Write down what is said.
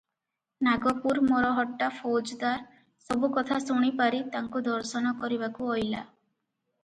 ନାଗପୁର ମରହଟ୍ଟା ଫୌଜଦାର ସବୁ କଥା ଶୁଣି ପାରି ତାଙ୍କୁ ଦର୍ଶନ କରିବାକୁ ଅଇଲା ।